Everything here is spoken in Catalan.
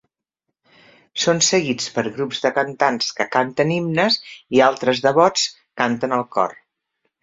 Són seguits per grups de cantants que canten himnes i altres devots canten el cor.